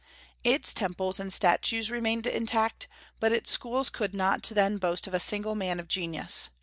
Its temples and statues remained intact, but its schools could not then boast of a single man of genius.